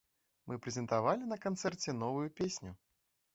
Мы прэзентавалі на канцэрце новую песню.